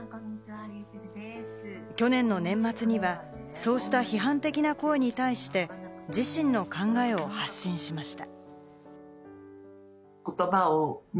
去年の年末には、そうした批判的な声に対して自身の考えを発信しました。